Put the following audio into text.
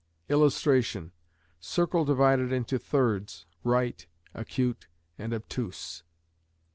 [Illustration: Circle divided into thirds "right", "acute", and "obtuse".